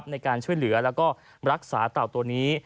ในการช่วยเหลือแล้วก็รักษาเต่าตัวนี้